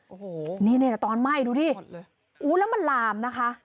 โอ้โฮมันหมดเลยนี่ตอนไหม้ดูดิโอ้โฮแล้วมันลามนะคะ